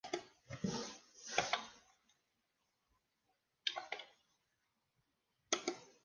Posibilidad y realidad es la realización de dicha tarea.